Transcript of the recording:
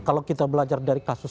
kalau kita belajar dari kasus